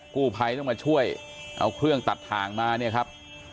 กู้ภัยต้องมาช่วยเอาเครื่องตัดทางมาเนี่ยครับ